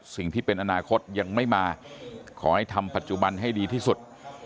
สิ่งที่เป็นอนาคตยังไม่มาขอให้ทำปัจจุบันให้ดีที่สุด